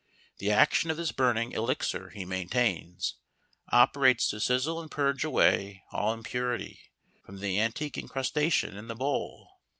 The action of this burning elixir, he maintains, operates to sizzle and purge away all impurity from the antique incrustation in the bowl.